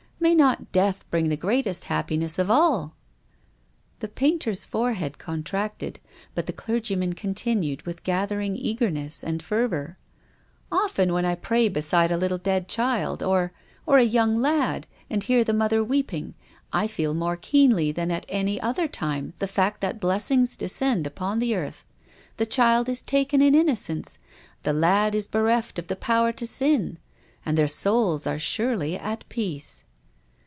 May not death bring the greatest happiness of all ?" The painter's forehead contracted, but the clergyman continued with gathering eagerness and fervour: " Often when I pray beside a little dead child, or — or a young lad, and hear the mother weep ing, I feel more keenly than at any other time the fact that blessings descend upon the earth. The child is taken in innocence. The lad is bereft of the power to sin. And their souls are surely at peace."